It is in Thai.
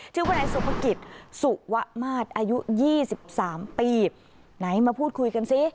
ชื่อว่าในสุภกิจสุวะมาดอายุยี่สิบสามปีไหนมาพูดคุยกันสิ